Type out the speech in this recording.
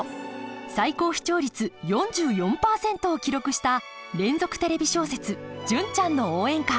最高視聴率４４％を記録した連続テレビ小説「純ちゃんの応援歌」。